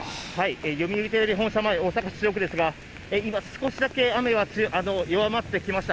読売テレビ本社前、大阪・中央区ですが、今、少しだけ雨が弱まってきました。